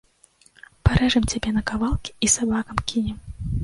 Парэжам цябе на кавалкі і сабакам кінем.